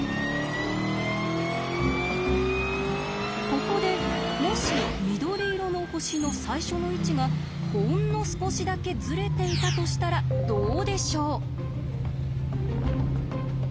ここでもし緑色の星の最初の位置がほんの少しだけズレていたとしたらどうでしょう？